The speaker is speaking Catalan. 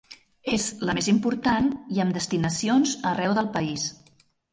És la més important i amb destinacions arreu del país.